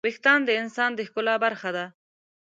وېښتيان د انسان د ښکلا برخه ده.